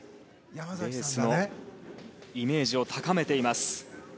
レースのイメージを高めています。